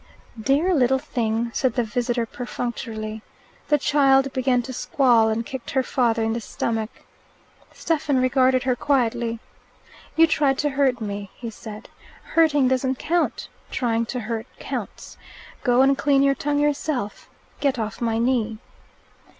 "Dear little thing," said the visitor perfunctorily. The child began to squall, and kicked her father in the stomach. Stephen regarded her quietly. "You tried to hurt me," he said. "Hurting doesn't count. Trying to hurt counts. Go and clean your tongue yourself. Get off my knee."